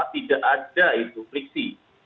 tidak ada itu friksi